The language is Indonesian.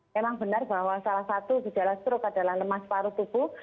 memang benar bahwa salah satu gejala stroke adalah lemas paru tubuh